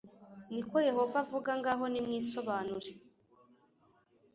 ni ko yehova avuga ngaho nimwisobanure